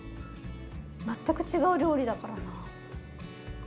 全く違う料理だからな。